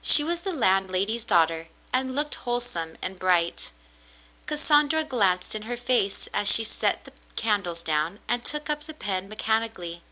She was the landlady's daughter and looked wholesome and bright. Cassandra glanced in her face as she set the candles down, and took up the pen mechanically.